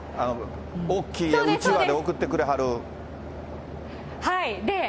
大きいうちわで送ってくれはる。